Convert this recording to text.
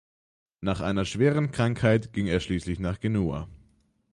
Nach einer schweren Krankheit ging er schließlich nach Genua.